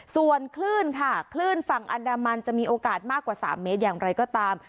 ส่วนคลื่นค่ะคลื่นฝั่งอันดามันจะมีโอกาสมากกว่า๓เมตรอย่างไรก็ตาม